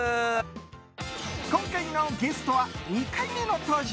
今回のゲストは２回目の登場！